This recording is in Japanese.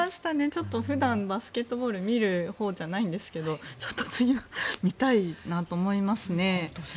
ちょっと普段、バスケットボール見るほうじゃないんですけどちょっと次は見たいなと思いますね。